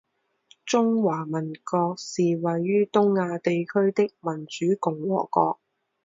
中华民国是位于东亚地区的民主共和国